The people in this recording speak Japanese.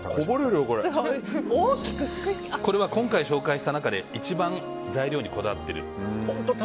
これは、今回紹介した中で一番材料にこだわっています。